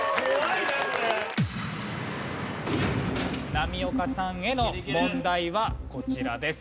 波岡さんへの問題はこちらです。